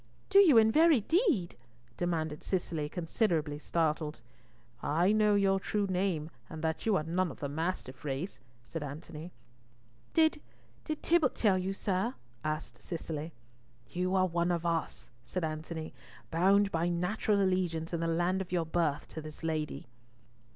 "Do you in very deed?" demanded Cicely, considerably startled. "I know your true name, and that you are none of the mastiff race," said Antony. "Did—did Tibbott tell you, sir?" asked Cicely. "You are one of us," said Antony; "bound by natural allegiance in the land of your birth to this lady."